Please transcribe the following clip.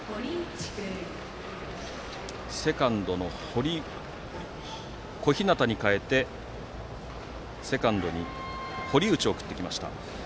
セカンドの小日向に代えて堀内を送ってきました。